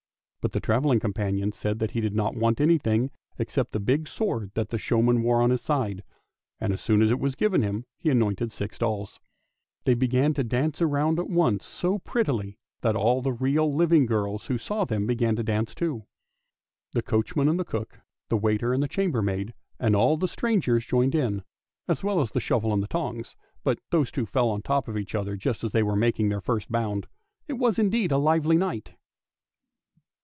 But the travelling companion said that he did not want anything except the big sword that the showman wore at his side, and as soon as it was given him he anointed six dolls. They began to dance about at once so prettily that all the real, living girls who saw them began to dance too. The coachman and the cook, the waiter and the chambermaid, and all the strangers joined in, as well as the shovel and the tongs: but those two fell on the top of each other just as they were making their first bound. It was indeed a lively night